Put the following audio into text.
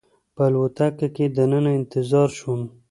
په الوتکه کې دننه انتظار شوم.